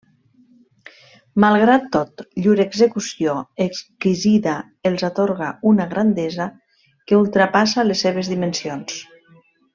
Malgrat tot, llur execució exquisida els atorga una grandesa que ultrapassa les seues dimensions.